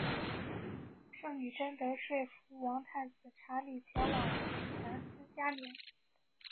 圣女贞德说服王太子查理前往兰斯加冕。